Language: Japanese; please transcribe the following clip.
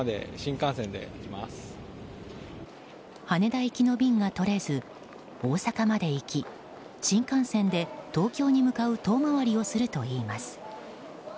羽田行きの便が取れず大阪まで行き、新幹線で東京に向かう遠回りをするといいます。